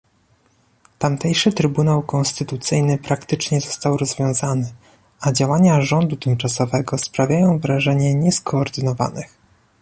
Tamtejszy trybunał konstytucyjny praktycznie został rozwiązany, a działania rządu tymczasowego sprawiają wrażenie nieskoordynowanych